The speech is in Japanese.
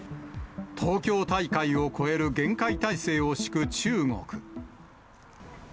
東京大会を超える厳戒態勢を敷く中国。